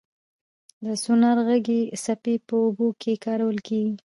د سونار غږي څپې په اوبو کې کارول کېږي.